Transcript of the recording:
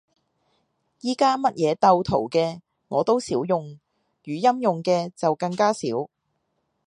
而家乜嘢鬥圖嘅，我都少用，語音用嘅就更加少